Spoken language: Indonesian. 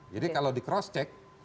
jadi kalau di cross check